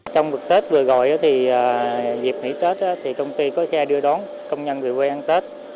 trong bữa tết vừa gọi dịp nghỉ tết công ty có xe đưa đón công nhân về quê ăn tết